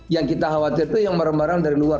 yang kita khawatir itu yang barang barang dari luar